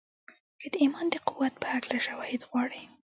که د ايمان د قوت په هکله شواهد غواړئ.